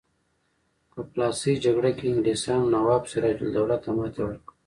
په پلاسۍ جګړه کې انګلیسانو نواب سراج الدوله ته ماتې ورکړه.